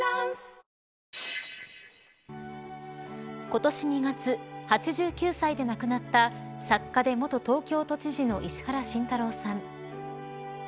今年２月、８９歳で亡くなった作家で元東京都知事の石原慎太郎さん